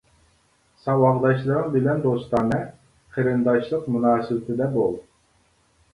ساۋاقداشلىرىڭ بىلەن دوستانە، قېرىنداشلىق مۇناسىۋىتىدە بول.